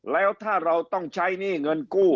แล้วถ้าเราต้องใช้หนี้เงินกู้